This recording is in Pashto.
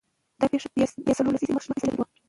دا پېښه درې یا څلور لسیزې مخکې شوې وه.